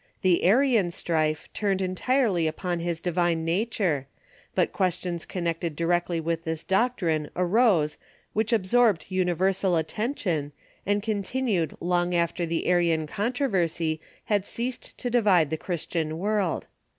The Arian strife turned entirely upon his divine nature, but questions connected directly with this doctrine arose which absorbed universal attention, and continued long after the Arian controversy had ceased to divide the Christian Avorld.